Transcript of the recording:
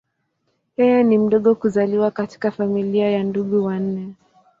Yeye ni mdogo kuzaliwa katika familia ya ndugu wanne.